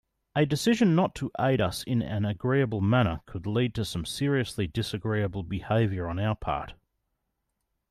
A decision not to aid us in an agreeable manner could lead to some seriously disagreeable behaviour on our part.